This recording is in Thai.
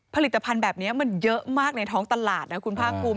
ผลิตภัณฑ์แบบนี้มันเยอะมากในท้องตลาดนะคุณภาคภูมิ